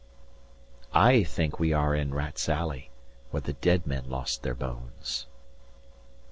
I think we are in rats' alley 115 Where the dead men lost their bones.